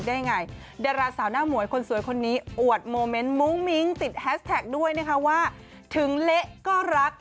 ได้ยังไงดาราสาวหน้าหมวยคนสวยคนนี้อวดโมเมนต์มุ้งมิ้งติดแฮสแท็กด้วยนะคะว่าถึงเละก็รัก